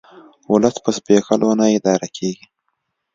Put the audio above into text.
ولس په زبېښولو نه اداره کیږي